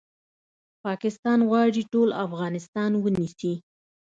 پاکستان غواړي ټول افغانستان ونیسي